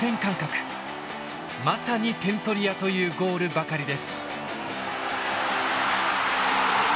まさに点取り屋というゴールばかりです。